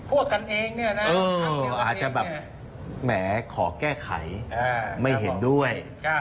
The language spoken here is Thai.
พวกกันเองเนี่ยนะอาจจะแบบแหมขอแก้ไขไม่เห็นด้วย